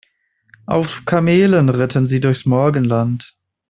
Auf Kamelen ritten sie durchs Morgenland.